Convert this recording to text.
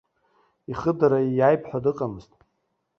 Ихыдара ииааип ҳәа дыҟамызт.